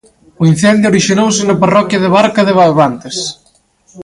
O incendio orixinouse na parroquia de Barca de Barbantes.